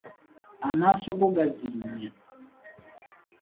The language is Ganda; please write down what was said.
Amaaso go gazimbye..